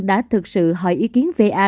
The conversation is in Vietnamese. đã thực sự hỏi ý kiến va